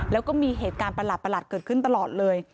แล้วก็มีเหตุการณ์ประหลาดเกิดขึ้นตลอดเลย